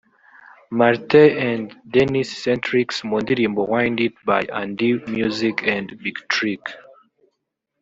Martin & Denis Centrix mu ndirimbo Wind it by Andy music & Big Trk